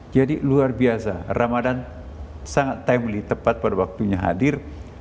jadi luar biasa ramadhan sangat timely tepat pada waktunya hadir